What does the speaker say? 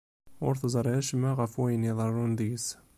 Ur teẓri acemma ɣef wayen iḍerrun deg-s.